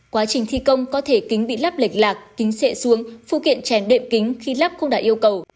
quá trình thi công có thể kính bị lắp lệch lạc kính sệ xuống phụ kiện chèn đệm kính khi lắp không đạt yêu cầu